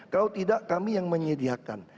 kalau tidak kami yang menyediakan